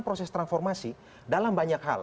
proses transformasi dalam banyak hal